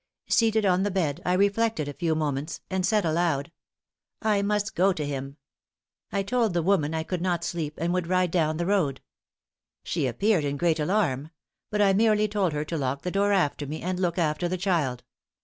Seated on the bed, I reflected a few moments and said aloud: 'I must go to him.' I told the woman I could not sleep and would ride down the road. She appeared in great alarm; but I merely told her to lock the door after me, and look after the child.